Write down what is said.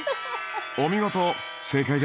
お見事正解です。